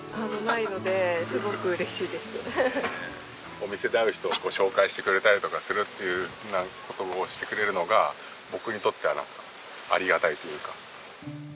お店で会う人を紹介してくれたりとかするっていう事をしてくれるのが僕にとってはありがたいというか。